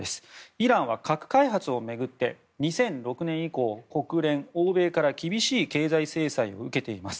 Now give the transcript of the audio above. イランは核開発を巡って２００６年以降国連、欧米から厳しい経済制裁を受けています。